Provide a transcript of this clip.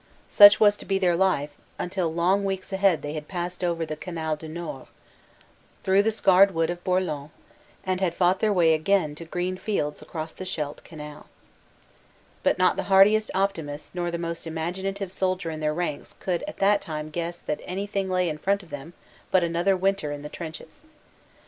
Such was to be their life until long weeks ahead they had passed over the Canal du Nord, through the scarred wood of Bourlon, and had fought their way again to green fields across the Scheldt Canal. But not the hardiest optimist nor the most imaginative soldier in their ranks could at that time guess that anything 116 WAYSIDE SCENES 117 lay in front of them but another winter in the trenches.